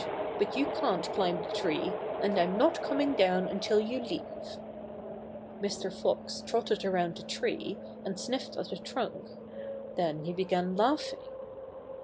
But you can't climb the tree, and I'm not coming down until you leave." Mr. Fox trotted around the tree, and sniffed at the trunk. Then he began laughing.